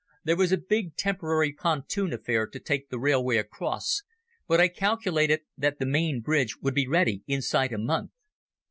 There was a big temporary pontoon affair to take the railway across, but I calculated that the main bridge would be ready inside a month.